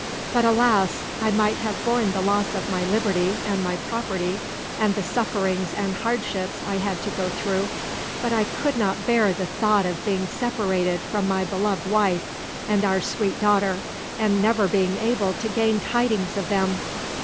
But, alas! I might have borne the loss of my liberty, and my property, and the sufferings and hardships I had to go through, but I could not bear the thought of being separated from my beloved wife and our sweet daughter, and never being able to gain tidings of them.